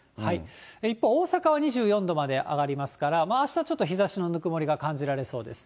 一方、大阪は２４度まで上がりますから、あしたはちょっと日ざしのぬくもりが感じられそうです。